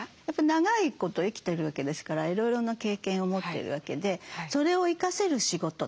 やっぱ長いこと生きてるわけですからいろいろな経験を持ってるわけでそれを生かせる仕事